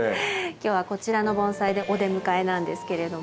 今日はこちらの盆栽でお出迎えなんですけれども。